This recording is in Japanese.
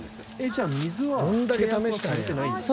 じゃあ水は契約はされてないんですか？